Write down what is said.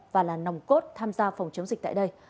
và là nòng cốt tham gia phòng chống dịch tại đây